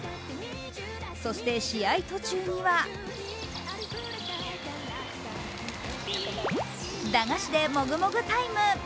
そして試合途中には駄菓子で、もぐもぐタイム。